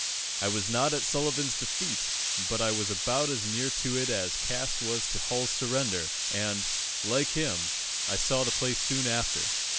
I was not at Sullivan's defeat, but I was about as near to it as Cass was to Hull's surrender, and, like him, I saw the place soon after.